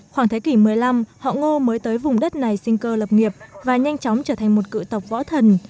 khoảng thế kỷ một mươi năm họ ngô mới tới vùng đất này sinh cơ lập nghiệp và nhanh chóng trở thành một cựu tộc võ thần